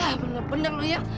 ah bener bener lo ya